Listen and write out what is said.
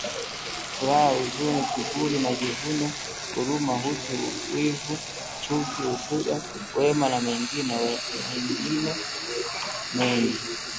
Furaha, huzuni, kiburi, majivuno, huruma, utu, wivu, chuki, husda, wema na mengine mengi